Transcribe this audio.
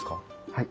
はい。